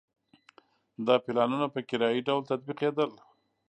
دا پلانونه په کرایي ډول تطبیقېدل.